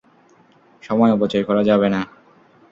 সময় অপচয় করা যাবে না।